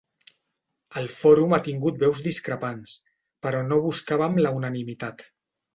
El Fòrum ha tingut veus discrepants, però no buscàvem la unanimitat.